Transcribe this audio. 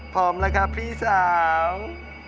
พร้อมแล้วครับพี่สาว